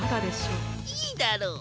いいだろう。